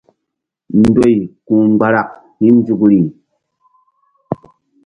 Ndoy ku̧ mgbarak hi̧ nzukri.